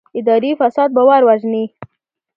اداري فساد باور وژني